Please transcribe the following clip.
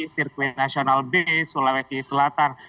sirkuit nasional b sulawesi selatan